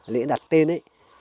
lễ đặt tên ấy